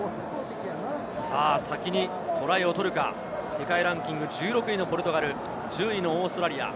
先にトライを取るか、世界ランキング１６位のポルトガル、１０位のオーストラリア。